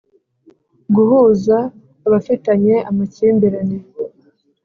Guhuza abafitanye amakimbirane